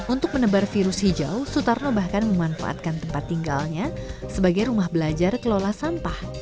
untuk menebar virus hijau sutarno bahkan memanfaatkan tempat tinggalnya sebagai rumah belajar kelola sampah